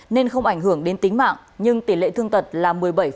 nên không ảnh hưởng đến tính mạng nhưng tỷ lệ thương tật là một mươi bảy